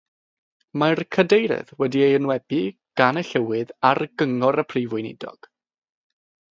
Mae'r Cadeirydd wedi'i enwebu gan y Llywydd ar gyngor y Prif weinidog.